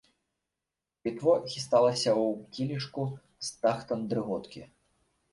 Пітво хісталася ў кілішку з тахтам дрыготкі.